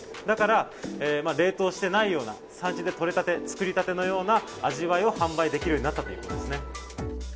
だから冷凍してないような、産地で取れたて、作りたてのような味わいを販売できるようになったということです